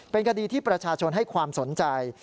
เป็นคดีที่ประชาชนให้ความสนใจ